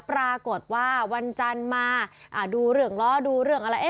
วันจันทร์มาดูเรื่องล้อดูเรื่องอะไร